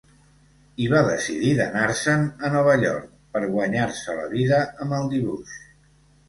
Hi va decidir d'anar-se'n a Nova York, per guanyar-se la vida amb el dibuix.